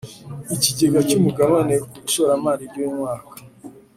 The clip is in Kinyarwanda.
Ikigega cy’umugabane ku ishoramari ryuyumwaka